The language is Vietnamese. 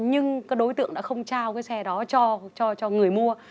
nhưng các đối tượng đã không trao cái xe đó cho người mua